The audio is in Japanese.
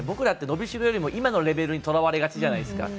僕らって伸びしろよりも、今のレベルにとらわれがちじゃないですか。